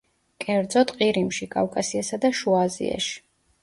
კერძოდ, ყირიმში, კავკასიასა და შუა აზიაში.